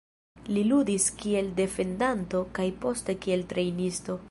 Li ludis kiel defendanto kaj poste kiel trejnisto.